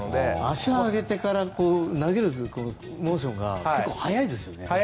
足を上げてから投げるモーションが速いですね。